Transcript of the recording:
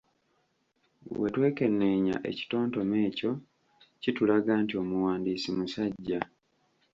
Bwe twekenneenya ekitontome ekyo kitulaga nti omuwandiisi musajja.